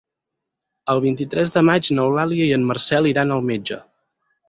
El vint-i-tres de maig n'Eulàlia i en Marcel iran al metge.